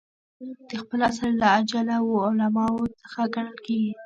د خپل عصر له اجله وو علماوو څخه ګڼل کېدئ.